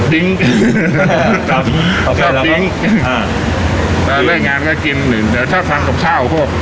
ดิ้งชอบดิ้งอ่าแล้วเริ่มงานก็กินหรือเดี๋ยวชอบทำกับข้าวพวก